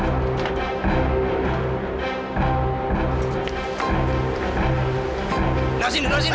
tengok sini tengok sini